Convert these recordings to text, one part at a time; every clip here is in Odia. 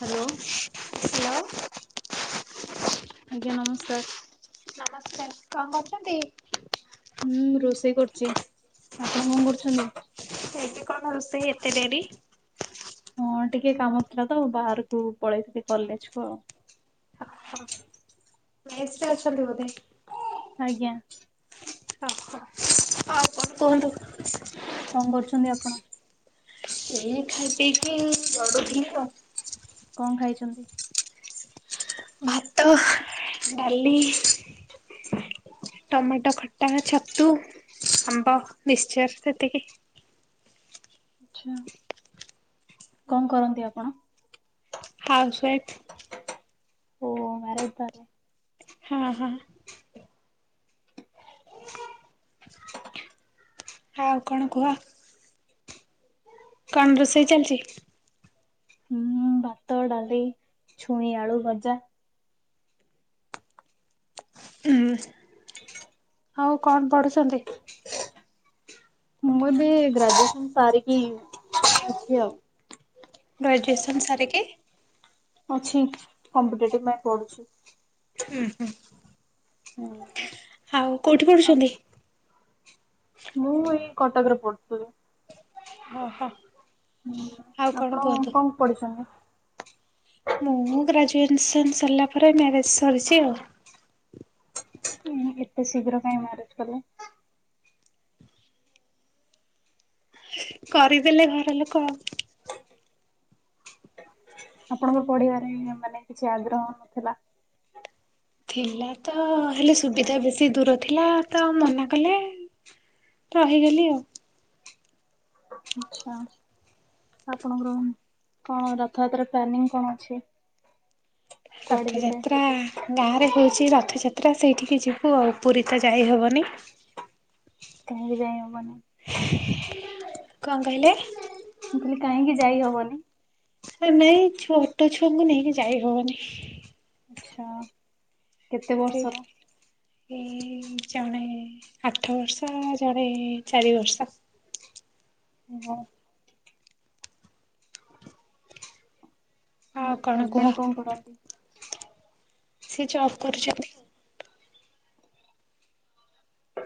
ହ୍ୟାଲୋ। ଆଜ୍ଞା ନମସ୍କାର। ନମସ୍କାର କଣ କରୁଚନ୍ତି? ହୁଁ ରୋଷେଇ କରୁଚି। ଆପଣ କଣ କରୁଚନ୍ତି? ଏଠି କଣ ରୋଷେଇ ଏତେ ଡେରି? ହଁ ଟିକେ କାମ ଥିଲା ତ ବାହାରକୁ ପଳେଇଥିଲି କଲେଜ କୁ ଆଉ। ମେସ ରେ ଅଛନ୍ତି ବୋଧେ? ଆଜ୍ଞା। ଅ ହୋ ଆଉ କଣ କୁହନ୍ତୁ? କଣ କରୁଚନ୍ତି ଆପଣ? ଏଇ ଖାଇ ପିଇକି ଗଡୁଥିଲୁ ଆଉ। କଣ ଖାଇଚନ୍ତି? ଭାତ ଡାଲି ଟମାଟ ଖଟ ଟା ଛତୁ ଆମ୍ବ ମିକ୍ସଚର ସେତିକି। ଆଛା କଣ କରନ୍ତି ଆପଣ? ହାଉସ୍ୱାଇଫ୍। ଓ ମରିଡ ତାହାଲେ? ହଁ ହଁ। ଆଉ କଣ କୁହ? କଣ ରୋଷେଇ ଚାଲିଚି! ହଁ ଭାତ ଡାଲି ଛୁଇ ଆଳୁ ଭଜା। ଉଁ ହୁଁ। [inaudible] ଆଉ କଣ ପଢୁଛନ୍ତି? ମୁଁ ଏବେ ଗ୍ରାଜୁଏସନ୍ ସାରକି ଅଛିି ଆଉ। ଗ୍ରାଜୁଏସନ୍ ସାରକି ଅଛି କମ୍ପିଟେଟିଭ ପାଇଁ ପଡୁଚି। ହୁଁ ହୁଁ ଆଉ କୋଉଠି ପଢୁଛନ୍ତି? ମୁଁ ଏଇ କଟକରେ ପଢୁଥିଲି। ଓ ହୋ। ହୁଁ ଆପଣ କଣ ପଡିିଛନ୍ତି? ମୁଁ ଗ୍ରାଜୁଏନ୍ସନ୍ ସରିଲା ପରେ ମ୍ୟାରେଜ ସରିଚି ଆଉ। ଉଁ ଏତେ ଶୀଘ୍ର କାଇଁ ମ୍ୟାରେଜ କଲ? କରିଦେଲେ ଘର ଲୋକ। ଆପଣଙ୍କର ପଢିବାରେ ମାନେ କିଛି ଆଗ୍ରହ ନଥିଲା। ଥିଲା ତ ହେଲେ ସୁବିଧା ବେଶି ଦୂର ଥିଲା ତ ମନା କଲେ ରହିଗଲି ଆଉ। ଆଚ୍ଛା। ଆପଣଙ୍କର କଣ ରଥଯାତ୍ରା ପ୍ଲାନିଂ କଣ ଅଛି? କୁଆଡେ ଯିବେ ରଥଯାତ୍ରା ଗାଁ ରେ ହୋଉଚି ରଥଯାତ୍ରା ସେଇଠିକି ଯିବୁ ଆଉ ପୁରି ତ ଯାଇହବନି। ତମକୁ ଜଣେଇ ହବନି। କଣ କହିଲେ? କାହିଁକି ଯାଇ ହବନି? ସେ ନେଇ ଛୋଟ ଛୁଆଙ୍କୁ ନେଇକି ଯାଇହବନି। ଆଛା କେତେ ସେଇଥି ବର୍ଷର? ଏଇ ଜଣେ ଆଠ ବର୍ଷ ଜଣେ ଚାରି ବର୍ଷ। [unintelligible] ଆଉ କଣ କୁହ? [unintelligible] ସିଏ ଜବ କରିଚନ୍ତି। ହ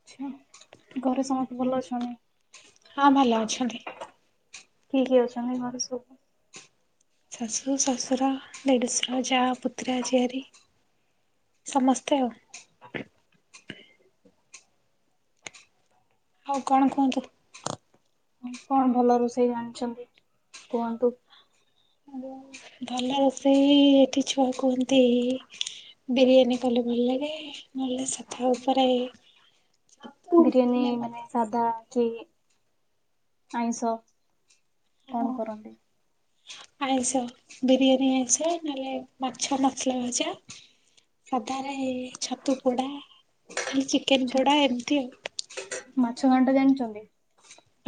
ଆଚ୍ଛା ଘରେ ସମସ୍ତେ ଭଲ ଅଛନ୍ତି। ହଁ ଭଲ ଅଛନ୍ତି। କିଏ କିଏ ଅଛନ୍ତି ଘରେ ସବୁ। ଶାଶୁ ଶଶୁର ଦେଢୁସର ଯା ପୁତୁରା ଝିଆରି ସମସ୍ତେ ଆଉ। ଆଉ କଣ କୁହନ୍ତୁ? ଆଉ କଣ ଭଲ ରୋଷେଇ ଜାଣିଛନ୍ତି କୁହନ୍ତୁ? ଭଲ ରୋଷେଇ ଏଠି ଛୁଆ କୁହନ୍ତି। ବିରିୟାନୀ କଲେ ଭଲ ଲାଗେ ନ ସାଧା ଉପରେ ଛତୁ ବିରିୟାନୀ ନହେଲେ ମାନେ ହଁ ସାଧା ହୋଉଚି ଆଇଁଷ କଣ କରନ୍ତି? ଆଇଁଷ ବିରିୟାନୀ ଆଇଁଷ ନହେଲେ ମାଛ ମସଲା ଭାଜା। ସାଧାରେ ଛତୁ ପୋଡା ନହେଲେ ଚିକେନ ଆଚ୍ଛା ପୋଡା ଏମିତି ଆଉ। ମାଛ ଘାଣ୍ଟା ଜାଣିଚନ୍ତି?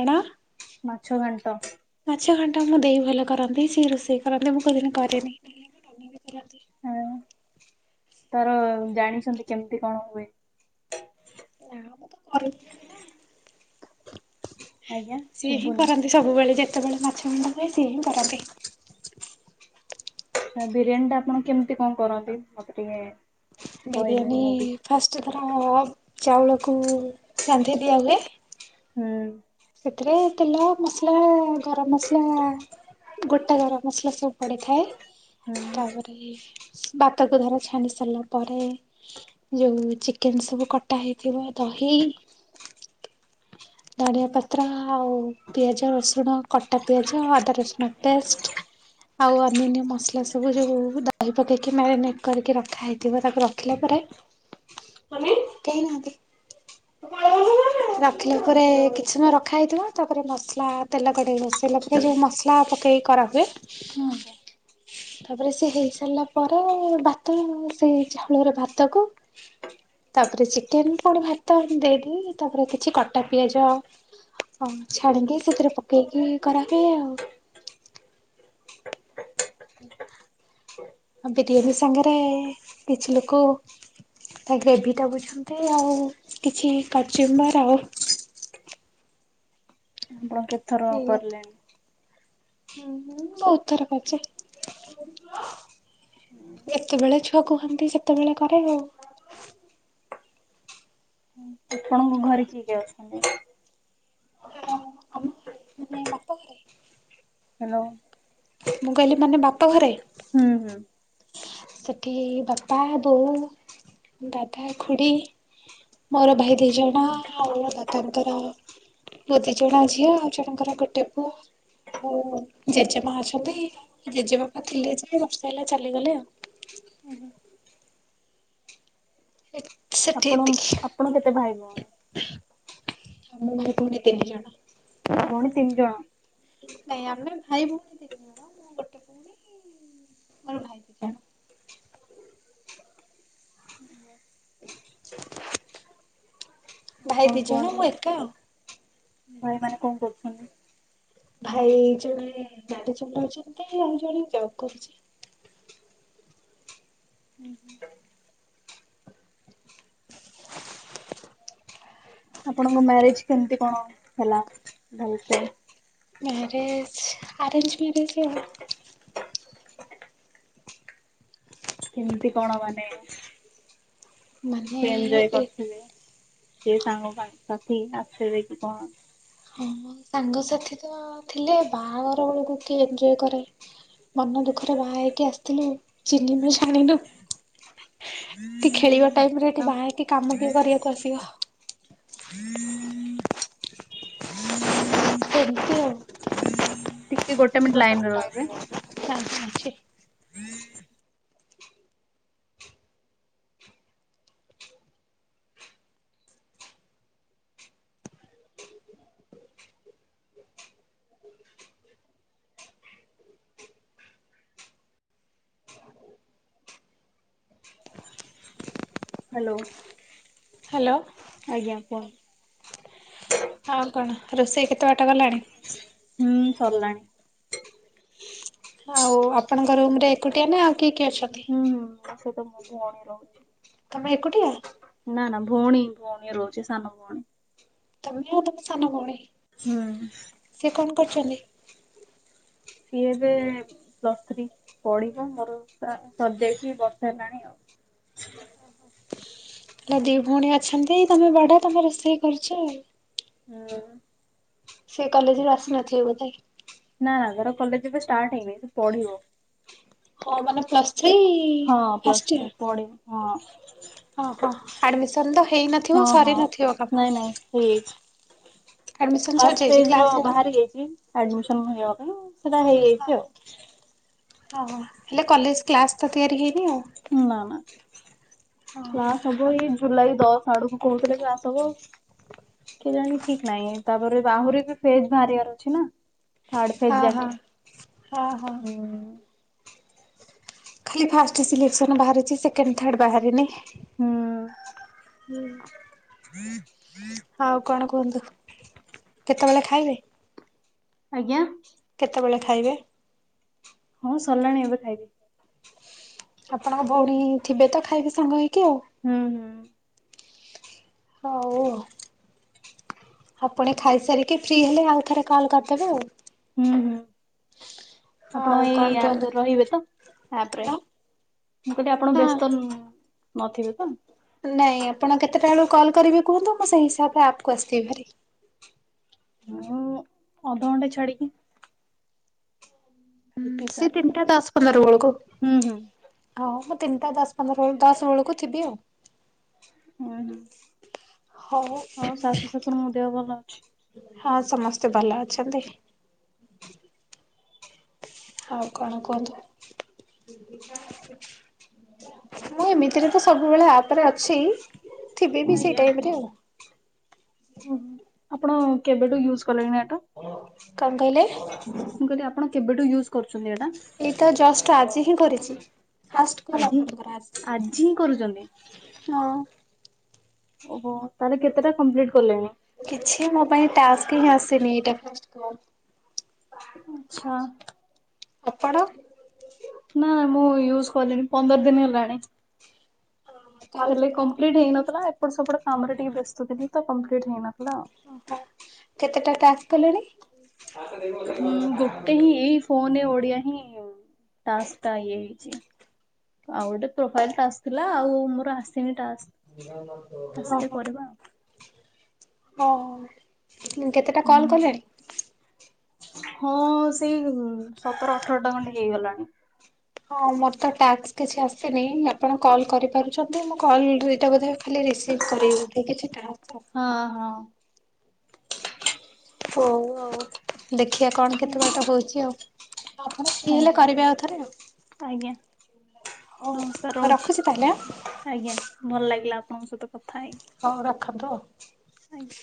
କଣ? ମାଛ ଘାଣ୍ଟ। ମାଛ ଘାଣ୍ଟା ଆମ ଦେଇ ଭଲ କରନ୍ତି। ସିଏ ରୋଷେଇ କରନ୍ତି। ମୁଁ କୋଉଦିନ କରେନି [inaudible] କରନ୍ତି। ହଁ ତାର ଜାଣିଚନ୍ତି କେମିତି କଣ ହୁଏ? ନାଁ ମୁଁ ତ କରେନି କୋଉ ଦିନ ଆଜ୍ଞା ସିଏ ହିଁ ଶୁଭୁନି କର ସେ ସବୁବେଳେ ଯେତେବେଳେ ମାଛ ଘାଣ୍ଟ ହୁଏ ସିଏ ହିଁ କରନ୍ତି। ହଁ ବିରିୟାନୀ ଟା ଆପଣ କେମିତି କଣ କରନ୍ତି ମତେ ଟିକେ କହିବେ ବିରିୟାନୀ ମୁଁ ବି ଫାଷ୍ଟ ଧର ଚାଉଳକୁ ରାନ୍ଧି ଦିଆହୁଏ। ହୁଁ। ସେଥିରେ ତେଲ, ମସଲା, ଗରମ ମସଲା, ଗୋଟା ଗରମ ମସଲା ସବୁ ପଡ଼ିଥାଏ। ହୁଁ ତାପରେ ବାତକୁ ଧର ଛାଣି ସାରିଲା ପରେ ଯୋଉ ଚିକେନ ସବୁ କଟା ହେଇଥିବ ଦହି ଧଣିଆ ପତ୍ର, ଆଉ ପିଆଜ, ରସୁଣ କଟା ପିଆଜ ଅଦା ରସୁଣ ପେଷ୍ଟ ଆଉ ଅ ଅନ୍ୟାନ୍ୟ ମସଲା ସବୁ ଯେଉଁ ଦହି ପକେଇକି ମ୍ୟାରିନେଟ୍ କରିକି ରଖା ହୋଇଥିବ ତାକୁ ରଖିଲା ପରେ [inaudible] ଆମେ କେହି ନାହାନ୍ତି। [unintelligible] ତା ପରେ କିଛି ସମୟ ରଖାଇଥିବ ତାପରେ ମସଲା ତେଲ କଡ଼େଇ ବସେଇଲା ପରେ ଯୋଉ ମସଲା ପକାଇ କରା ହୁଏ। ହୁଁ। ତାପରେ ସେ ହେଇ ସାରିଲା ପରେ ଭାତ ସେଇ ଚାଉଳରେ ଭାତକୁ ତାପରେ ଚିକେନ କଣ ଭାତ ଦେଇଦି ତାପରେ କିଛି କ ଅଟା ପିଆଜ ଛାଣିକି ସେଥିରେ ପକେଇକି କରାହୁଏ ଆଉ। [inaudible] ମୋ ଦିଦି [unintelligible] ସାଙ୍ଗରେ କିଛି ଲୋକ ତା ଗ୍ରେଭି ଟା ବୁଝନ୍ତି ଆଉ କିଛି କଜୁମର ଆଉ। ଆପଣ କେତ ଥର ଏଇଆ ତ କିରିଲେଣି? ହୁଁ ବହୁତ ଥର କରିଛି। ଯେତେବେଳେ ଛୁଆ କୁହନ୍ତି ସେତେବେଳେ କରେ ଆଉ। ଆପଣଙ୍କ ଘରେ କିଏ କିଏ ଅଛନ୍ତି? ଆମ ଘରେ ମାନେ ବାପ ଘରେ? ହ୍ୟାଲୋ। ମୁଁ କହିଲି ମାନେ ବାପ ଘରେ? ହୁଁ ହୁଁ। ସେଠି ବାପା, ବୋଉ, ଦାଦା, ଖୁଡି। ମୋର ଭାଇ ଦି ଜଣ ଆଉ ଦାଦାଙ୍କର ବୁ ଦି ଜଣ ଝିଅ ଆଉ ଜଣଙ୍କର ଗୋଟେ ପୁଅ। ଓ ଜେଜେମା ଅଛନ୍ତି ଜେଜେବାପା ଥିଲେ ଯେ ବର୍ଷେ ହେଲା ଚାଲିଗଲେ ଆଉ। ସେଠି ଆପଣ ଆପଣ କେତେ ଭାଇ ଏତିକି। ଭଉଣୀ? ମୁଁ ପୁଣି ତିନି ଜଣ। ଭଉଣୀ ତିନି ଜଣ। ନାଇଁ ଆମେ ଭାଇ ଭଉଣୀ କେତେ ଜଣ? ଗୋଟେ ଭଉଣୀ। ମୋର ଭାଇ। [unintelligible] ହୁଁ। ଆଉ ଭାଇ କଣ ଦି ଜଣ କୁହନ୍ତୁ ମୁଁ ଏକା ଆଉ। ଭାଇ ମାନେ କଣ କରୁଛନ୍ତି? ଭାଇ ଜଣେ ଗାଡ଼ି ଚଲଉଛନ୍ତି। ଆଉ ଜଣେ ଜଗୁଛନ୍ତି। ଉଁ ହୁଁ। ଆପଣଙ୍କ ମ୍ୟାରେଜ କେମିତି କଣ ହେଲା ଭଲସ? ମ୍ୟାରେଜ ଆରେଞଜ୍ ମ୍ୟାରେଜ୍ ଆଉ। କେମିତି କଣ ମାନେ ମାନେ କେତେ ଏଞଜୟ ଏ କରିଥିବେ? ସେ ସାଙ୍ଗ ସାଙ୍ଗସାଥି ଆସ କିି କଣ? ହଁ ସାଙ୍ଗସାଥି ତ ଥିଲେ ବାହାଘର ବେଳକୁ କିଏ ଏନ୍ଜୟ କରେ? ମନ ଦୁଃଖରେ ବାହା ହେଇକି ଆସିଥିଲୁ ଚିହ୍ନିନୁ ଜାଣିନୁ। ଟି ଖେଳିବା ଟାଇମ ରେ ଏଟି ଆଛା ବାହା ହେଇକି କାମ କିଏ କରିବାକୁ ଆସିବ? ସେମିତି ଆଉ। ଟିକେ ଗୋଟେ ମିନଟ ଲାଇନରେ ରହିବେ। [unintelligible] [inaudible] ହ୍ୟାଲୋ। ହ୍ୟାଲୋ। ଆଜ୍ଞା କୁହ? ଆଉ କଣ ରୋଷେଇ କେତେ ବାଟ ଗଲାଣି? ହୁଁ ସରିଲାଣି। ହୋଉ ଆପଣଙ୍କ ରୁମ୍ ରେ ଏକୁଟିଆ ନା ଆଉ କିଏ କିଏ ଅଛନ୍ତି? ହୁଁ ହୁଁ ସେ ତ ମୁ ଭଉଣୀ ରହୁଛି। ତମେ ଏକୁଟିଆ? ନା ନା ଭଉଣୀ ଭଉଣୀ ରହୁଛି ସାନ ଭଉଣୀ। ତମେ ଆଉ ତମ ସାନ ଭୋଉଣୀ। ହୁଁ। ସେ କଣ କରୁଛନ୍ତି? ସିଏ ଏବେ ପ୍ଲସ ଥ୍ରି ପଢିବ ମୋର ସା ସରିଯାଇଛି ବର୍ଷେ ହେଲାଣି ଆଉ। ହେଲା ଦି ଭୋଉଣୀ ଅଛନ୍ତି ତମେ ବଡ଼ ତମେ ରୋଷେଇ କରୁଛ ଆଉ। ହଁ। ସେ କଲେଜରୁୁ ଆସିନଥିଲେ ବୋଧେ? ନା ତାର କଲେଜ ଏବେ ଷ୍ଟାର୍ଟ ହେଇନି ସେ ପଢିବ। ହଁ ମାନେ ପ୍ଲସ୍ ଥ୍ରୀ ହଁ ପ୍ଲସ୍ ଫାଷ୍ଟ ଥ୍ରୀ ଇୟର? ପଢିବ ହଁ। ଓହୋ ଆଡମିସନ ତ ହଁ ହେଇନଥିବ ହଁ ସରିନଥିବ କାମ? ନାଇଁ ନାଇଁ ହେଇଯାଇଛି। ଆଡମିସନ ଫାଷ୍ଟ ସରିଯାଇଛି ଫେଜ୍ ର କ୍ଲାସ ହେଇନି? ବାହାରି ଯାଇଛି ଆଡମିସନ ପାଇଁ ସେଟା ହେଇଯାଇଛି ଆଉ। ଅହ ହେଲେ କଲେଜ କ୍ଲାସ୍ ତ ତିଆରି ହେଇନି ଆଉ। ନା ନା। କ୍ଲାସ ହବ ଏଇ ଜୁଲାଇ ଦଶ ଆଡକୁ କହୁଥିଲେ କ୍ଲାସ ହବ। କେଜାଣି ଠିକ ନାଇଁ ତାପରେ ଆହୁରି ବି ଫେଜ ବାହାରିବାର ଅଛି ନା। ଥାର୍ଡ ଫେଜ ହଁ ହଁ ଯାକେ ହଁ ହଁ ହୁଁ। ଖାଲି ଫାଷ୍ଟ ସିଲେକ୍ସନ ବାହାରିଛି ସେକେଣ୍ଡ ଥାର୍ଡ ବାହାରିନି। ହୁଁ। ହୁଁ। ହୁଁ ଆଉ କଣ କୁହନ୍ତୁ, କେତେବେଳେ ଖାଇବେ? ଆଜ୍ଞା? କେତେବେଳେ ଖାଇବେ? ହଁ ସରିଲାଣି ଏବେ ଖାଇବି। ଆପଣ ଭୋଉଣୀ ଥିବେ ତ ଖାଇବେ ସାଙ୍ଗ ହେଇକି ଆଉ। ହୁଁ ହୁଁ। ହୋଉ ଆଉ। ଆପଣ ଖାଇସାରିକି ଫ୍ରି ହେଲେ ଆଉ ଥରେ କଲ୍ କରିଦେବେ ଆଉ। ହୁଁ ହୁଁ ଆପଣ ଆଉ କଣ ଏଇ ଆପ କୁହନ୍ତୁ? ରେ ରହିବେ ତ? ଆପରେ। କଣ ମୁ କହୀଲି ଆପଣ ହଁ ବ୍ୟସ୍ତ ନଥିବେ ତ? ନାଇଁ ଆପଣ କେତେଟା ବେଳକୁ କଲ୍ କରିବେ କୁହନ୍ତୁ? ମୁଁ ସେହି ହିସାବରେ ଆପକୁ ଆସିଥିବି ଭାରି। ମୁଁ ଅଧଘଣ୍ଟେ ଛାଡିକି। ଖାଇ ପିଇ ସେ ସାରିକି ତିନିଟା ଦଶ ପନ୍ଦର ବେଳକୁ ହୁଁ ହୁଁ ହଁ ମୁଁ ତିନିଟା ଦଶ ପନ୍ଦର ବେଳୁ ଦଶ ବେଳକୁ ଥିବି ଆଉ। ହୁଁ ହୁଁ। ହଉ ଆଉ ଶାଶୁ ଶ୍ୱଶୁରଙ୍କ ଦେହ ଭଲ ଅଛି? ହଁ ସମସ୍ତେ ଭଲ ଅଛନ୍ତି? ଆଉ କଣ କୁହନ୍ତୁ? ମୁଁ ଏମିତିରେ ତ ସବୁବେଳେ ଆପରେ ଅଛି ଥିବି ବି ସେଇ ଟାଇମ ରେ ଆଉ। ଓ ଆପଣ କେବେଠୁ ୟୁଜ୍ କଲେଣି ଏଟା? କଣ କହିଲେ? ମୁଁ କହିଲି ଆପଣ କେବେଠୁ ୟୁଜ୍ କରୁଛନ୍ତି ଏଟା? ଏଇ ତ ଜଷ୍ଟ ଆଜି ହିଁ କରିଛି ଫାଷ୍ଟ କଲ୍ ଆଜି। ଆପଣଙ୍କର ଆସିଛି। ଆଜି ହିଁ କରୁଛନ୍ତି ନୋ ଓହୋ! ତାହାଲେ କେତେଟା କମ୍ପ୍ଲିଟ୍ କଲେଣି? କିଛି ମୋ ପାଇଁ ଟାସ୍କ ହିଁ ଆସିନି ଏଇଟା ଫାଷ୍ଟ କଲ୍। ଆଚ୍ଛା। ଆପଣ ନା ମୁଁ ୟୁଜ୍ କଲିଣିି ପନ୍ଦର ଦିନ ହେଲାଣି। କଲ୍ ହେଲେ କେତେଟା କମ୍ପ୍ଲିଟ୍ କମ୍ପ୍ଲିଟ ହେଇନଥିଲା ଏପଟ ସେପଟ କାମରେ ଟିକେ ବ୍ୟସ୍ତ ଥିଲି ତ କମ୍ପ୍ଲିଟ୍ ହେଇନଥିଲା। ଓହୋ! କେତେଟା ଟାସ୍କ କଲେଣି? ଫୋନେ ଓଡିଆ ହିଁ ଟାସ୍କ ଟା ଇଏ ହି। ଛି, ଆଉ ଗୋଟେ ପ୍ରୋଫାଇଲ୍ ଟାସ୍କ ଥିଲା ଆଉ ମୋର ଆସିନି ଟାସ୍କ। ହୋ, ଆସିଲେ ହୋ, କରିବା ଆଉ। ଓ, ହଁ। କେତେଟା କଲ୍ ହୁଁ। କଲେଣି? ହଁ ସେଇ ସତର ଅଠରଟା ଖଣ୍ଡେ ହେଇଗଲାଣି। ହଁ ମୋର ତ ଟାକ୍ସ କିଛି ଆସିନି ଆପଣ କଲ୍ କରିପାରି ଛନ୍ତି ମୁଁ କଲ୍ ରିଟା ବୋଧ ଖାଲି ରିସିଭ୍ କରିବି ବୋଧେ କିଛି ଟାସ୍କ ଆସିନି ହଁ ମୋର। ହଁ ହଉ ଆଉ ଦେଖିବା କଣ କେତେ ବାଟ ହଉଚି ଆଉ। ଆପଣ ଫ୍ରି ହେଲେ ଆଜ୍ଞା କରିବେ ଆଉ ଥରେ ଆଉ। ଆଜ୍ଞା ନମସ୍କାର ହଉ ରହୁଛି। ରଖୁଛି ତାହେଲେ ଆଁ ଆଜ୍ଞା ଭଲ ଲାଗିଲା ଆପଣଙ୍କ ସହିତ କ ହଁ ରଖନ୍ତୁ। ଆଜ୍ଞା।